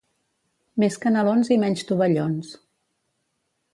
Més canelons i menys tovallons.